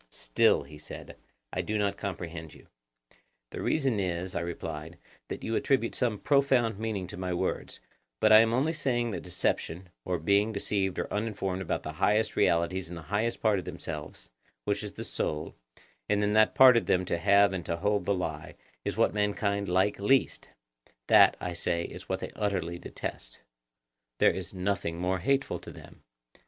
Still, he said, I do not comprehend you. The reason is, I replied, that you attribute some profound meaning to my words; but I am only saying that deception, or being deceived or uninformed about the highest realities in the highest part of themselves, which is the soul, and in that part of them to have and to hold the lie, is what mankind least like;—that, I say, is what they utterly detest. There is nothing more hateful to them.